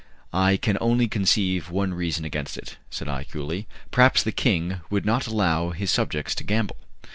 "I can only conceive one reason against it," said I, coolly; "perhaps the king would not allow his subjects to gamble."